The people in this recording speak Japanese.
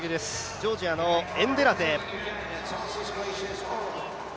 ジョージアのエンデラゼ。